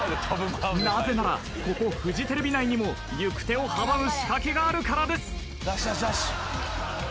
なぜならここフジテレビ内にも行く手を阻む仕掛けがあるからです。